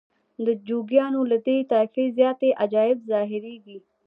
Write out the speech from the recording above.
د جوګیانو له دې طایفې زیاتې عجایب ظاهریږي.